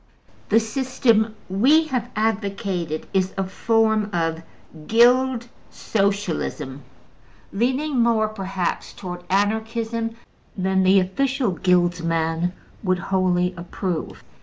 The system we have advocated is a form of Guild Socialism, leaning more, perhaps, towards Anarchism than the official Guildsman would wholly approve.